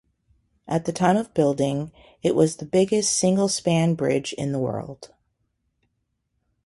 At the time of building, it was the biggest single-span bridge in the world.